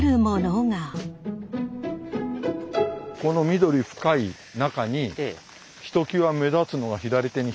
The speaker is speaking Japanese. この緑深い中にひときわ目立つのが左手に開けていますが。